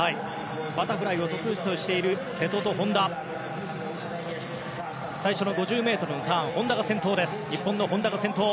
バタフライを得意としている瀬戸と本多ですが最初の５０ｍのターン日本の本多が先頭。